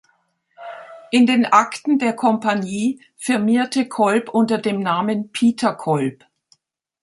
In den Akten der Kompagnie firmierte Kolb unter dem Namen "Pieter Kolb".